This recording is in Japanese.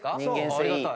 ありがたい。